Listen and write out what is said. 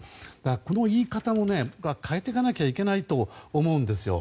この言い方を変えていかないといけないと思うんですよ。